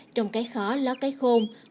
trong cái khó ló cái khôn